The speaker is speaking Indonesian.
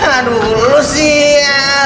aduh lu sih